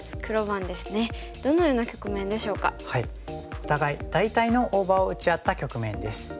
お互い大体の大場を打ち合った局面です。